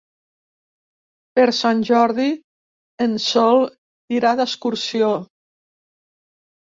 Per Sant Jordi en Sol irà d'excursió.